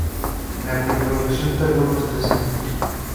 La pre-producción tardó unos tres años.